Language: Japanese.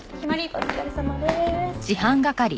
お疲れさまです。